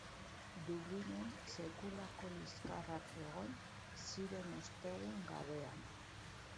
Dublinen sekulako liskarrak egon ziren ostegun gauean.